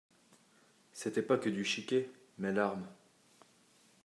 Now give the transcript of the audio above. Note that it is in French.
C’était pas que du chiqué, mes larmes.